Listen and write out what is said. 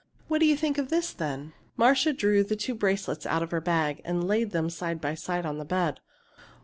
"What do you think of this, then?" Marcia drew the two bracelets out of her bag, and laid them side by side on the bed.